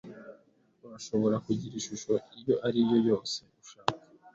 Urashobora kugira ishusho iyo ari yo yose ushaka.